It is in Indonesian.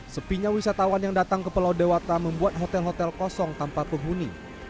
sepinya wisatawan yang datang ke pulau dewata membuat hotel hotel kosong tanpa penghuni